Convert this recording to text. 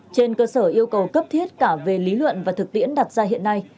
trên cơ sở yêu cầu cấp thiết cả về lý luận và thực tiễn đặt ra hiện nay